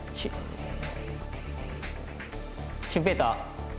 シュンペーター。